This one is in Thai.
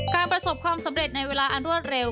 ประสบความสำเร็จในเวลาอันรวดเร็ว